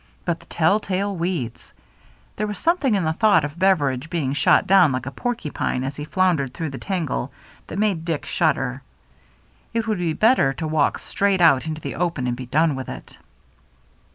But the telltale weeds !— there was something in the thought of Beveridge being shot down like a porcupine as he floundered through the tangle that made Dick shudder. 368 THE MERRT ANNE It would be better to walk straight out into the open and be done with it.